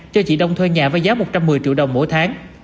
cho chị đông thuê nhà với giá một trăm một mươi triệu đồng mỗi tháng